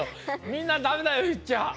みんなダメだよ言っちゃ。